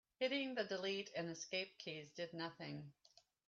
Hitting the delete and escape keys did nothing.